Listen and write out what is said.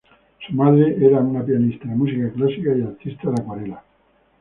Su madre era una pianista de música clásica y artista de acuarela.